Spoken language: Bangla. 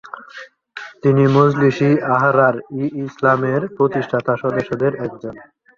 তিনি মজলিস-ই-আহরার-ই ইসলাম এর প্রতিষ্ঠাতা সদস্যদের একজন।